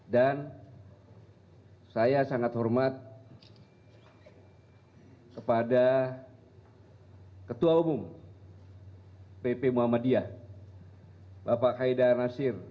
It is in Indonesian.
dan saya sangat hormat kepada ketua umum pp muhammadiyah bapak haidah nasir